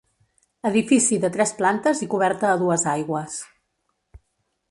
Edifici de tres plantes i coberta a dues aigües.